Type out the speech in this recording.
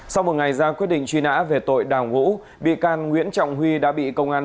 sau một ngày ra quyết định truy nã về tội đào ngũ bị can nguyễn trọng huy đã bị công an